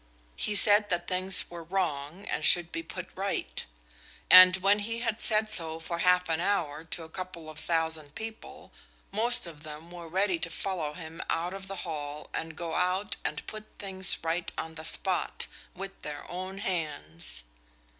He said that things were wrong and should be put right; and when he had said so for half an hour to a couple of thousand people, most of them were ready to follow him out of the hall and go and put things right on the spot, with their own hands.